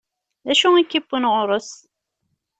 D acu i k-iwwin ɣur-s?